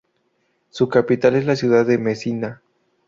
Su capital es la ciudad de Mesina.